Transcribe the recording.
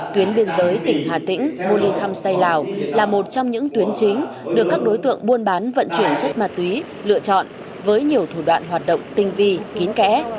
tuyến biên giới tỉnh hà tĩnh bô ly khăm say lào là một trong những tuyến chính được các đối tượng buôn bán vận chuyển chất ma túy lựa chọn với nhiều thủ đoạn hoạt động tinh vi kín kẽ